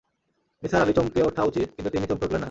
নিসার আলির চমকে ওঠা উচিত, কিন্তু তিনি চমকে উঠলেন না।